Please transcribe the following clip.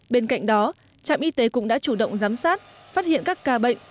bên cạnh đó trạm y tế cũng đã chủ động giám sát phát hiện các ca bệnh